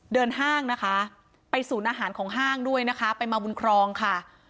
ห้างนะคะไปศูนย์อาหารของห้างด้วยนะคะไปมาบุญครองค่ะ